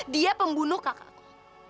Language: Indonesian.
dia pembunuh kakakku